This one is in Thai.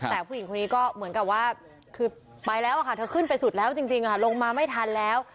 แต่ผู้หญิงคนนี้ก็เหมือนกับว่าคือไปแล้วค่ะเธอขึ้นไปสุดแล้วจริงลงมาไม่ทันแล้ว